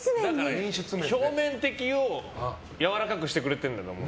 表面的にやわらかくしてくれてるんだ。